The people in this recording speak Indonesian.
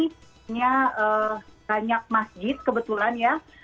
karena banyak masjid kebetulan ya